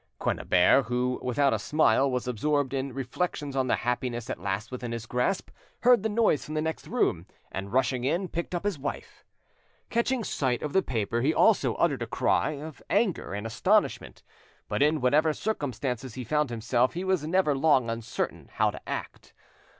Quennebert, who, without a smile, was absorbed in reflections on the happiness at last within his grasp, heard the noise from the next room, and rushing in, picked up his wife. Catching sight of the paper, he also uttered a cry of anger and astonishment, but in whatever circumstances he found himself he was never long uncertain how to act.